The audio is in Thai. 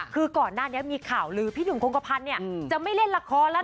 คือก่อนหน้านี้มีข่าวลือพี่หนุ่มคงกระพันธ์จะไม่เล่นละครแล้ว